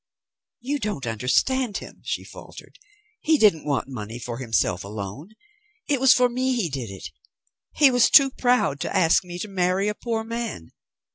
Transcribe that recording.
"You don't understand him," she faltered. "He didn't want money for himself alone. It was for me he did it. He was too proud to ask me to marry a poor man.